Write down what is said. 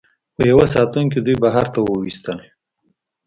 خو یوه ساتونکي دوی بهر ته وویستل